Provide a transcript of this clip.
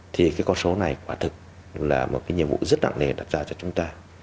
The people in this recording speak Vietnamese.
thì con số này quả thực là một nhiệm vụ rất đặng nề đặt ra cho chúng ta